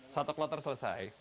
satuk lo terselesai